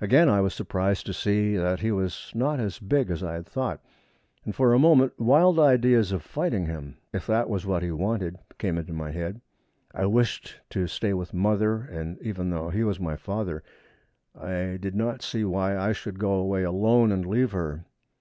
Again I was surprised, to see that he was not as big as I had thought, and for a moment wild ideas of fighting him, if that was what he wanted, came into my head. I wished to stay with mother, and even though he was my father, I did not see why I should go away alone and leave her.